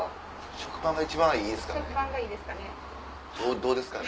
食パンがいいですかね？